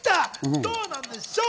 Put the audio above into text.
どうなんでしょう。